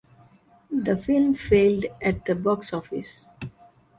The film failed at the box office.